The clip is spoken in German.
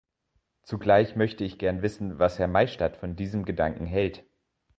Zugleich möchte ich gern wissen, was Herr Maystadt von diesem Gedanken hält.